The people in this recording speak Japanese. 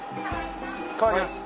代わります。